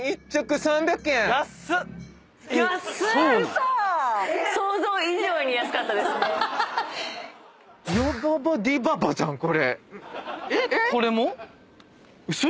嘘⁉これも？